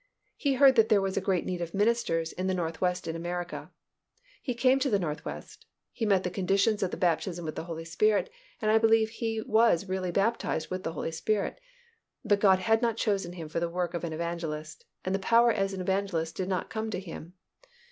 He heard that there was a great need of ministers in the northwest in America. He came to the northwest. He met the conditions of the baptism with the Holy Spirit and I believe was really baptized with the Holy Spirit, but God had not chosen him for the work of an evangelist, and the power as an evangelist did not come to him.